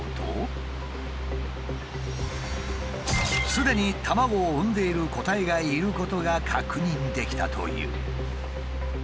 すでに卵を産んでいる個体がいることが確認できたという。